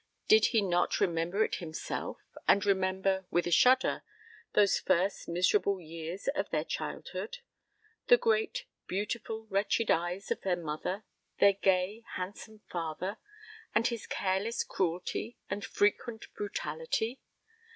Did he not remember it himself, and remember, with a shudder, those first miserable years of their childhood the great, beautiful, wretched eyes of their mother, their gay, handsome father, and his careless cruelty and frequent brutality?